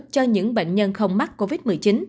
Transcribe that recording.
cho những bệnh nhân không mắc covid một mươi chín